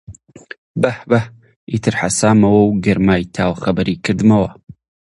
بەهـ بەهـ! ئیتر حەسامەوە و گەرمای تاو خەبەری کردمەوە